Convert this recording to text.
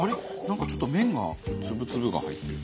何かちょっと麺が粒々が入ってる。